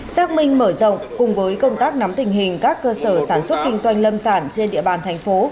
xác minh mở rộng cùng với công tác nắm tình hình các cơ sở sản xuất kinh doanh lâm sản trên địa bàn thành phố